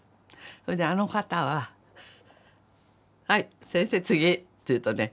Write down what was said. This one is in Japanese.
それであの方は「はい先生次」って言うとね